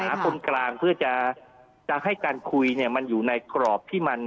คนกลางเพื่อจะให้การคุยเนี่ยมันอยู่ในกรอบที่มัน